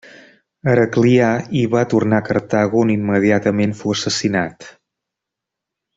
Heraclià i va tornar a Cartago on immediatament fou assassinat.